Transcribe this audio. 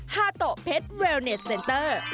ฮาโตะเพชรเวลเนสเซ็นเตอร์